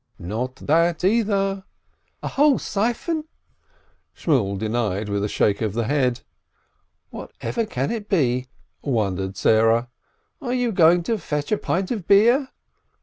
"Not that, either." "A whole siphon?" Shmuel denied with a shake of the head. "Whatever can it be!" wondered Sarah. "Are you going to fetch a pint of beer?"